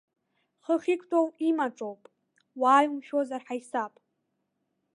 Хыхь иқәтәоу имаҿоуп, уааи умшәозар ҳаисап!